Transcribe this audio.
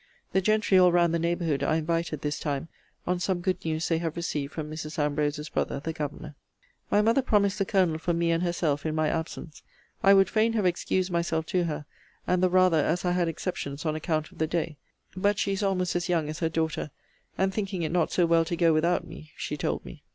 The gentry all round the neighbourhood are invited this time, on some good news they have received from Mrs. Ambrose's brother, the governor. My mother promised the Colonel for me and herself, in my absence. I would fain have excused myself to her; and the rather, as I had exceptions on account of the day:* but she is almost as young as her daughter; and thinking it not so well to go without me, she told me.